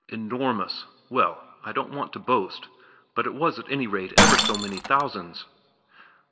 "Enormous. Well, I don't want to boast, but it was at any rate ever so many thousands.